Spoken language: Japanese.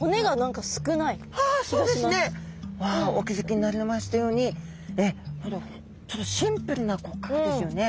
あそうですね。お気付きになりましたようにちょっとシンプルな骨格ですよね。